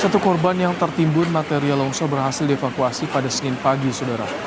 satu korban yang tertimbun material longsor berhasil dievakuasi pada senin pagi saudara